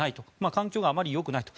環境があまりよくないと。